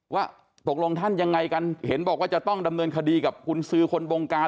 ว่าตกลงท่านยังไงกันเห็นบอกว่าจะต้องดำเนินคดีกับกุญสือคนบงการ